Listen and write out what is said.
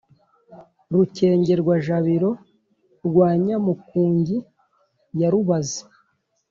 rukengerwa-jabiro rwa nyamukungi ya rubazi,